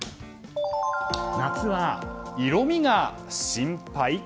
夏は、色味が心配？